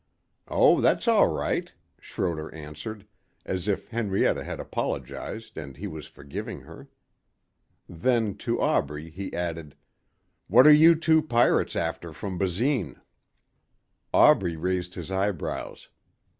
"Oh, that's all right;" Schroder answered, as if Henrietta had apologized and he was forgiving her. Then to Aubrey he added, "What are you two pirates after from Basine?" Aubrey raised his eyebrows.